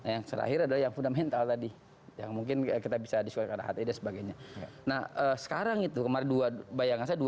yang terakhir adalah yang fundamental tadi yang mungkin kita bisa disuatkan hati dan sebagainya nah sekarang itu kemarin bayangan saya dua dua belas itu sudah